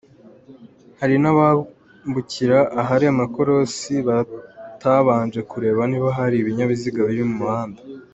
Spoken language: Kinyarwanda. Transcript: Hari n’abambukira ahari amakorosi batabanje kureba niba hari ibinyabiziga biri mu muhanda.